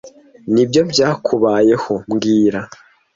Nibyo byakubayeho mbwira